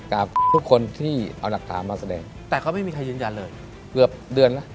กับทุกคนที่เอาหลักฐานมาแสดงแต่เขาไม่มีใครยืนยันเลยเกือบเดือนแล้ว